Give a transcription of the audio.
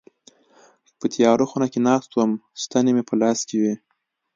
په تياره خونه کي ناست وم ستني مي په لاس کي وي.